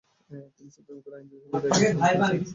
তিনি সুপ্রিম কোর্টের আইনজীবী হিসাবে দায়িত্ব পালন করেছিলেন।